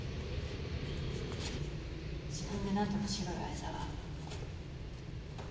自分でなんとかしろよ愛沢。